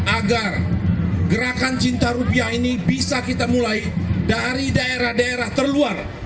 agar gerakan cinta rupiah ini bisa kita mulai dari daerah daerah terluar